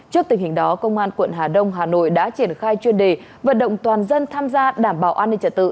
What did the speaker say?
trước tình hình đó công an quận hà đông hà nội đã triển khai chuyên đề vận động toàn dân tham gia đảm bảo an ninh trật tự